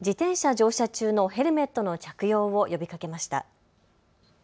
乗車中のヘルメットの着用を呼びかけました。